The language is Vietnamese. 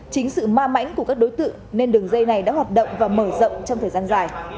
chính sự ma mãnh của các đối tượng nên đường dây này đã hoạt động và mở rộng trong thời gian dài